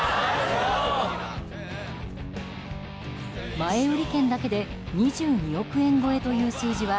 前売り券だけで２２億円超えという数字は